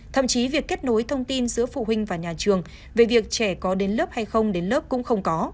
thậm chí việc kết nối thông tin giữa phụ huynh và nhà trường về việc trẻ có đến lớp hay không đến lớp cũng không có